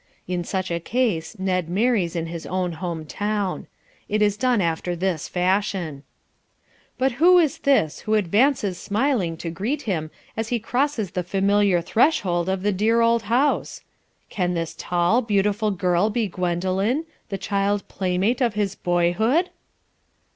In such a case Ned marries in his own home town. It is done after this fashion: "But who is this who advances smiling to greet him as he crosses the familiar threshold of the dear old house? Can this tall, beautiful girl be Gwendoline, the child playmate of his boyhood?"